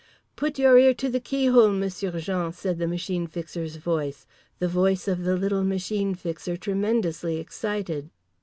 "Put your ear to the key hole, M'sieu' Jean," said the Machine Fixer's voice. The voice of the little Machine Fixer, tremendously excited.